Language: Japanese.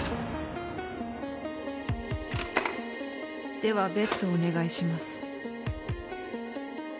ではベットをお願いします。